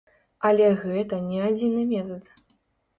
Але гэта не адзіны метад.